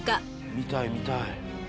見たい見たい。